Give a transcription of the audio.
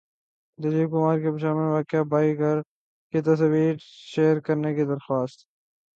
دلیپ کمار کی پشاور میں واقع بائی گھر کی تصاویر شیئر کرنے کی درخواست